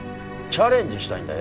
チャレンジしたいんだ。